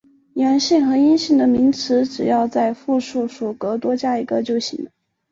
阳性和阴性的名词只要在复数属格多加一个就行了。